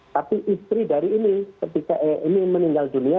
tapi istri dari ini ketika ini meninggal dunia